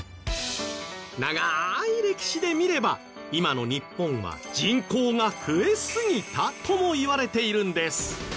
長い歴史で見れば今の日本は人口が増えすぎたともいわれているんです。